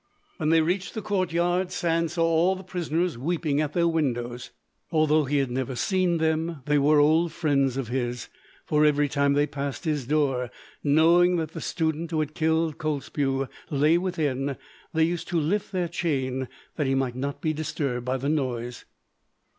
When they reached the courtyard, Sand saw all the prisoners weeping at their windows. Although he had never seen them, they were old friends of his; for every time they passed his door, knowing that the student who had killed Kotzebue lay within, they used to lift their chain, that he might not be disturbed by the noise.